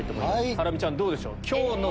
ハラミちゃんどうでしょう？